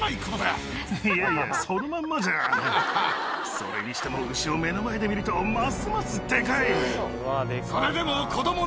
それにしても牛を目の前で見るとますますデカい。